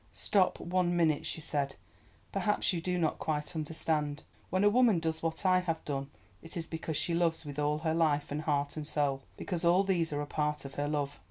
"Stop, one minute," she said, "perhaps you do not quite understand. When a woman does what I have done, it is because she loves with all her life and heart and soul, because all these are a part of her love.